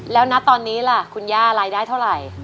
แล้วนะตอนนี้ล่ะคุณย่ารายได้เท่าไหร่